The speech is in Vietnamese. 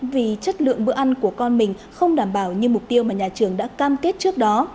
vì chất lượng bữa ăn của con mình không đảm bảo như mục tiêu mà nhà trường đã cam kết trước đó